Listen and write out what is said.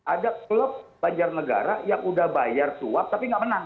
ada klub panjar negara yang sudah bayar tuap tapi tidak menang